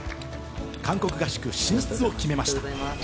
韓国合宿進出を決めました。